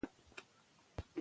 زما ملګرۍ ښه دی